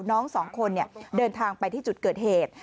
น้องสองคนเดินทางไปที่จุดเกิดเหตุ